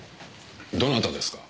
どなたですか？